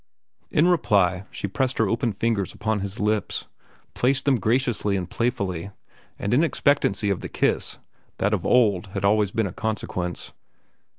In reply she pressed her open fingers against his lips, placed them graciously and playfully, and in expectancy of the kiss that of old had always been a consequence.